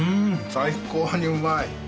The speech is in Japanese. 最高にうまい！